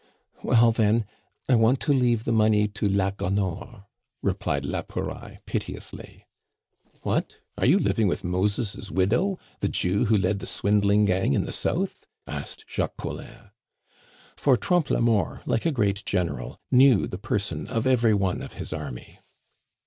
"Well, then I want to leave the money to la Gonore," replied la Pouraille piteously. "What! Are you living with Moses' widow the Jew who led the swindling gang in the South?" asked Jacques Collin. For Trompe la Mort, like a great general, knew the person of every one of his army.